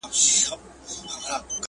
پلونو د تڼاکو مي بیابان راسره وژړل.!